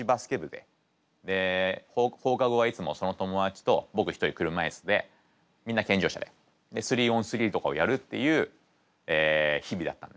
で放課後はいつもその友達と僕一人車いすでみんな健常者ででスリー・オン・スリーとかをやるっていう日々だったのね。